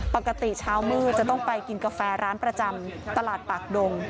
ปกติเช้ามืดจะต้องไปกินกาแฟร้านประจำตลาดปากดง